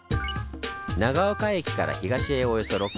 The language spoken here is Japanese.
長岡駅から東へおよそ６ｋｍ。